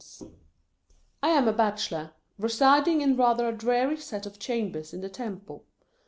I AM a bachelor, residing in rather a dreary set of chambers in the Temple.